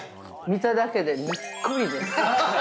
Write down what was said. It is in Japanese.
◆見ただけで、にっこりです。